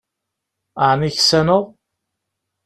Aεni ksaneɣ?